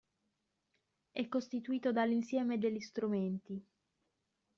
È costituito dall'insieme degli strumenti.